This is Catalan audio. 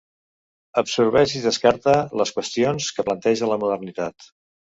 Absorbeix i descarta les qüestions que planteja la modernitat.